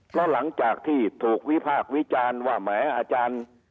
เพราะหลังจากที่ถูกวิพากษ์วิจารณ์ว่าแหมอาจารย์